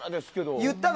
言ったの？